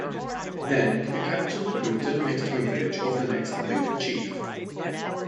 Then, the capitol would move to the home village of the next main chief.